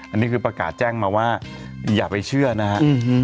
อันนี้คือประกาศแจ้งมาว่าอย่าไปเชื่อนะฮะ